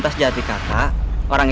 bapak harap kakak beza